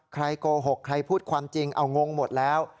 โกหกใครพูดความจริงเอางงหมดแล้ว